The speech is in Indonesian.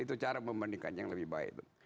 itu cara membandingkan yang lebih baik